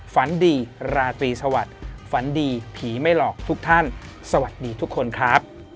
ฝันดีราตรีสวัสดิ์ฝันดีผีไม่หลอกทุกท่านสวัสดีทุกคนครับ